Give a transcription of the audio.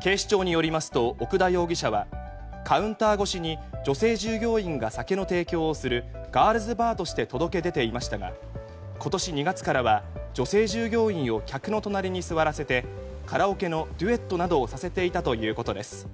警視庁によりますと奥田容疑者はカウンター越しに女性従業員が酒の提供をするガールズバーとして届け出ていましたが今年２月からは女性従業員を客の隣に座らせてカラオケのデュエットなどをさせていたということです。